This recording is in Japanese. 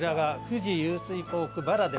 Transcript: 富士湧水ポーク。